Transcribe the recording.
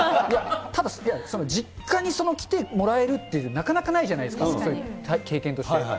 ただ、実家に来てもらえるってなかなかないじゃないですか、経験として。